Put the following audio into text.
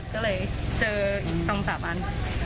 ก็เลยเจออีกตรงสามอัน